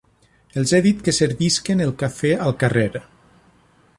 Els he dit que servisquen el café al carrer.